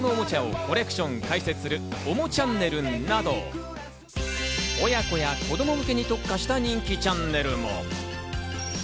トミカなどを中心に車や電車のおもちゃをコレクション解説する、おもちゃんねるなど、親子や子供向けに特化した人気チャンネルも。